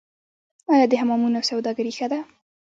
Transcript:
آیا د حمامونو سوداګري ښه ده؟